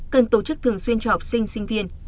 cần tổ chức thường xuyên cho học sinh sinh viên